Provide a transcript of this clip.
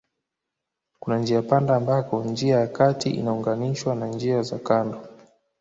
Kuna njiapanda ambako njia ya kati inaunganishwa na njia za kando